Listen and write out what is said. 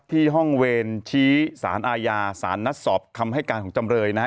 ที่ห้องเวรชี้สารอาญาสารนัดสอบคำให้การของจำเลยนะฮะ